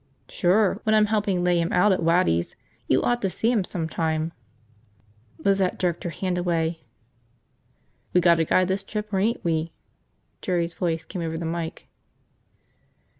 "Sure. When I'm helping lay 'em out at Waddy's. You ought to see 'em sometime." Lizette jerked her hand away. "We gotta guide this trip or ain't we?" Jerry's voice came over the mike.